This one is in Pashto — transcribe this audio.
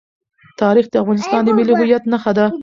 تاریخ د افغانستان د ملي هویت نښه ده.